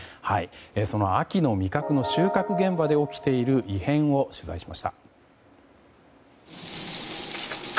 その秋の味覚の収穫現場で起きている異変を取材しました。